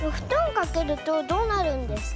かけるとどうなるんですか？